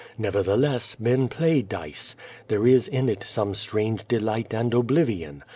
Never (thelcss men play dice. There is in it some strange delight and oblivion.